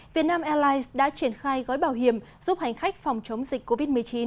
vietnam airlines đã triển khai gói bảo hiểm giúp hành khách phòng chống dịch covid một mươi chín